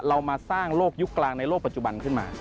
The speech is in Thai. เรามาสร้างโลกยุคกลางในโลกปัจจุบันขึ้นมา